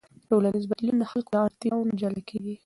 ټولنیز بدلون د خلکو له اړتیاوو نه جلا کېږي.